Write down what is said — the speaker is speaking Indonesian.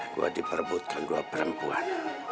gua diperbutkan dua perempuan